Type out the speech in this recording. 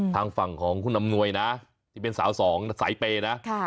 ทางฝั่งของคุณอำนวยนะที่เป็นสาวสองสายเปย์นะ